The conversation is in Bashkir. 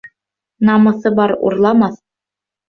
Намыҫы бар урламаҫ